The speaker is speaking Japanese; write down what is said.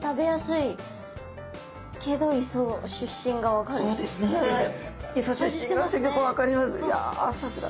いやさすが。